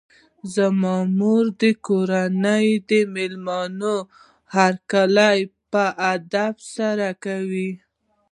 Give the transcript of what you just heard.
زما مور د کورونو د مېلمنو هرکلی په ادب سره کوي.